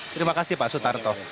terima kasih pak suttarto